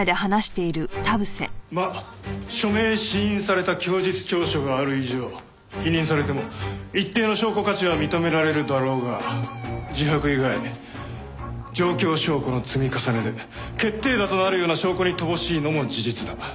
まあ署名指印された供述調書がある以上否認されても一定の証拠価値は認められるだろうが自白以外状況証拠の積み重ねで決定打となるような証拠に乏しいのも事実だ。